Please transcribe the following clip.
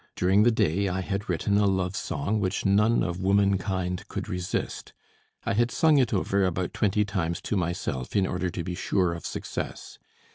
During the day I had written a love song which none of womankind could resist. I had sung it over about twenty times to myself, in order to be sure of success.